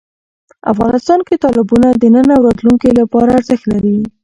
افغانستان کې تالابونه د نن او راتلونکي لپاره ارزښت لري.